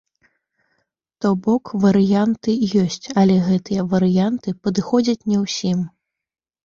То бок варыянты ёсць, але гэтыя варыянты падыходзяць не ўсім.